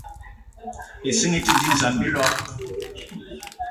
Ìsínga í te dínzan á bíloig